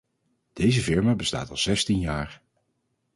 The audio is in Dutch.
Deze firma bestaat al zestien jaar.